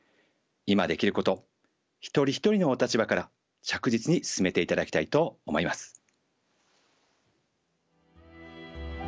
今できること一人一人のお立場から着実に進めていただきたいと思います。